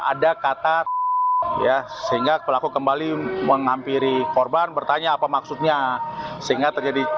ada kata ya sehingga pelaku kembali menghampiri korban bertanya apa maksudnya sehingga terjadi